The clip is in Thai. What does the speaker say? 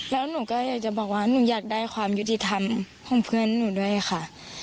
แล้วหนูก็อยากจะบอกว่าหนูอยากได้ความยุติธรรมของเพื่อนหนูด้วยค่ะ